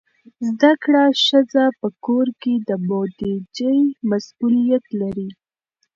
زده کړه ښځه په کور کې د بودیجې مسئولیت لري.